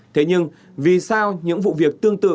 thế nhưng vì sao những vụ việc tương tự